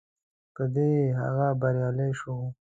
په دې هغه بریالی شو.